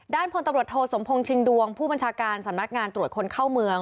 ด้านผลตบริโธทโทสมพงศ์ชิงดวงผู้บัญชาการสำนักงานตรวจคนเข้าเมือง